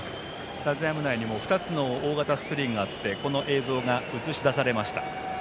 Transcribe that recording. スタジアム内に２つの大型スクリーンがあってその映像が映し出されました。